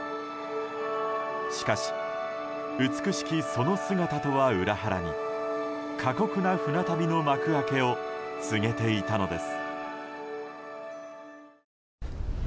しかし、美しきその姿とは裏腹に過酷な船旅の幕開けを告げていたのです。